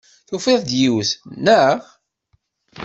Tufiḍ-d yiwet, naɣ?